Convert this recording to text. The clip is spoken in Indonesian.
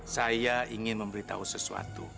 saya ingin memberitahu sesuatu